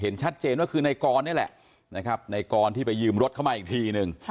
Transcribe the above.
ชัดเจนว่าคือในกรนี่แหละนะครับในกรที่ไปยืมรถเข้ามาอีกทีนึง